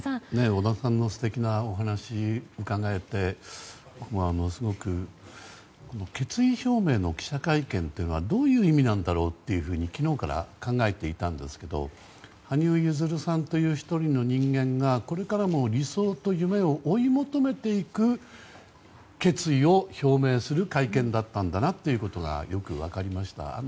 織田さんの素敵なお話を伺えて僕はすごく、決意表明の記者会見っていうのはどういう意味なんだろうというふうに昨日から考えていたんですけど羽生結弦さんという１人の人間がこれからも理想と夢を追い求めていく決意を表明する会見だったんだなということがよく分かりました。